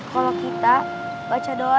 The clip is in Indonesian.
kalau kita baca doa